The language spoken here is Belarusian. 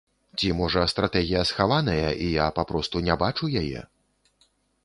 Ці, можа, стратэгія схаваная, і я папросту не бачу яе.